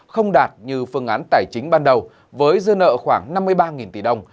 không đạt như phương án tài chính ban đầu với dư nợ khoảng năm mươi ba tỷ đồng